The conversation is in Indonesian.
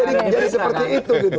akhirnya jadi seperti itu gitu